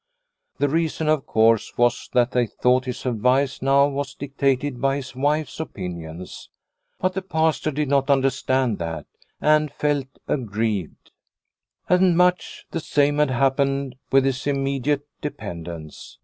The reason, of course, was that they thought his advice now was dictated by his wife's opinions. But the Pastor did not understand that, and felt aggrieved. And much the same had happened with his immediate dependents.